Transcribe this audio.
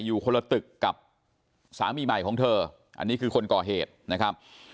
อยู่คนละตึกกับสามีใหม่ของเธออันนี้คือคนก่อเหตุนะครับ